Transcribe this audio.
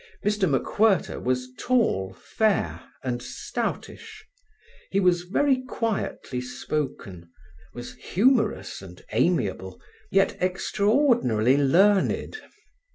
Mr MacWhirter was tall, fair, and stoutish; he was very quietly spoken, was humorous and amiable, yet extraordinarily learned.